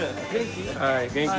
元気？